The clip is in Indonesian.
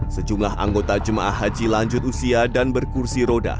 sejumlah anggota jemaah haji lanjut usia dan berkursi roda